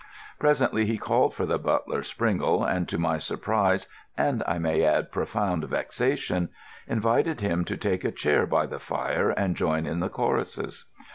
Presently he called for the butler, Springle, and to my surprise, and I may add profound vexation, invited him to take a chair by the fire and join in the choruses.